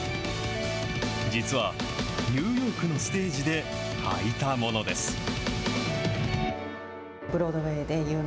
実はニューヨークのステージで履いたものです。